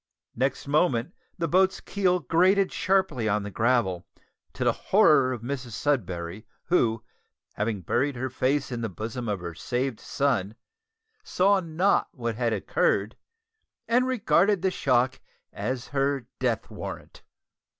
Next moment the boat's keel grated sharply on the gravel, to the horror of Mrs Sudberry, who, having buried her face in the bosom of her saved son, saw not what had occurred, and regarded the shock as her death warrant.